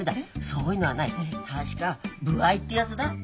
そういうのはない確か歩合ってやつだ。